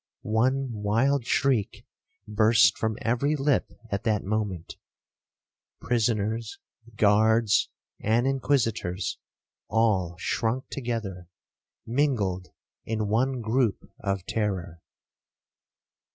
One wild shriek burst from every lip at that moment. Prisoners, guards, and Inquisitors, all shrunk together, mingled in one groupe of terror.